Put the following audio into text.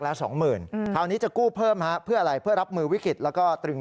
แล้ว๒๐๐๐๐คราวนี้จะกู้เพิ่มหรืออะไรเพื่อรับมือวิกฤตแล้วก็ตรง